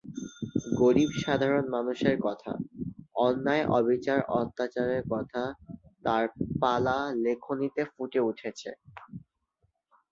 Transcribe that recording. গরীব সাধারণ মানুষের কথা, অন্যায় অবিচার অত্যাচারের কথা তার পালা লেখনীতে ফুটে উঠেছে।